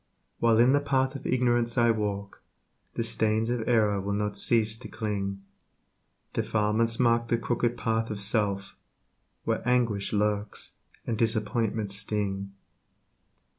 While in the path of ignorance I walk, The stains of error will not cease to cling Defilements mark the crooked path of self, Where anguish lurks and disappointments sting.